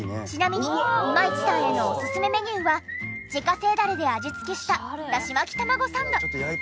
ちなみに今市さんへのオススメメニューは自家製ダレで味付けした出汁巻きたまごサンド。